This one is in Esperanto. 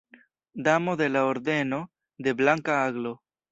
Damo de la Ordeno de Blanka Aglo.